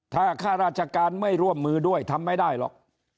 ถ้าข้าราชการไม่ร่วมมือด้วยทำไม่ได้หรอก